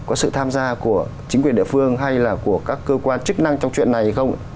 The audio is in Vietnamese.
có sự tham gia của chính quyền địa phương hay là của các cơ quan chức năng trong chuyện này hay không